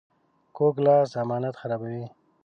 کوږ لاس امانت خرابوي